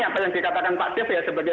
apa yang dikatakan pak tief sebagai